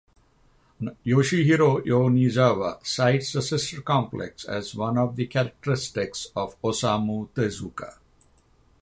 Yoshihiro Yonezawa cites the sister complex as one of the characteristics of Osamu Tezuka.